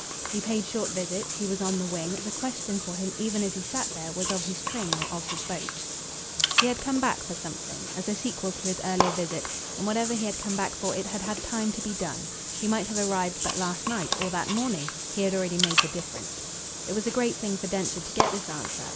He paid short visits; he was on the wing; the question for him even as he sat there was of his train or of his boat. He had come back for something as a sequel to his earlier visit; and whatever he had come back for it had had time to be done. He might have arrived but last night or that morning; he had already made the difference. It was a great thing for Densher to get this answer.